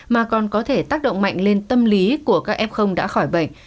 mà còn có thể tác động mạnh lên tâm lý của các f đã khỏi bệnh